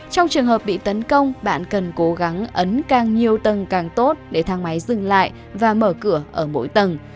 trong trường hợp bị tấn công bạn cần cố gắng ấn càng nhiều tầng càng tốt để thang máy dừng lại và mở cửa ở mỗi tầng